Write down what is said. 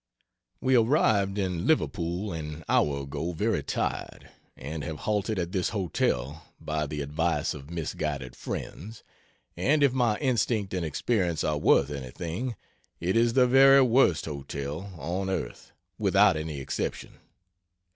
We arrived in Liverpool an hour ago very tired, and have halted at this hotel (by the advice of misguided friends) and if my instinct and experience are worth anything, it is the very worst hotel on earth, without any exception.